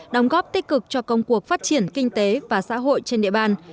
đóng góp tích cực cho công cuộc phát triển kinh tế và xã hội trên địa bàn